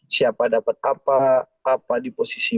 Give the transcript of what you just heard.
siapa dapat apa apa di posisi